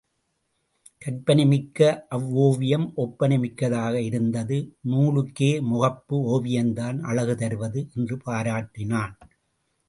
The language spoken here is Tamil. கற்பனை மிக்க அவ்வோவியம் ஒப்பனை மிக்கதாக இருந்தது நூலுக்கே முகப்பு ஓவியம்தான் அழகு தருவது என்று பாராட்டினான்.